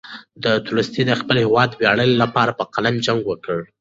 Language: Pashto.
تولستوی د خپل هېواد د ویاړ لپاره په قلم جنګ وکړ.